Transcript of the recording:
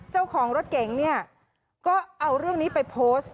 เจ้าของรถเก๋งเนี่ยก็เอาเรื่องนี้ไปโพสต์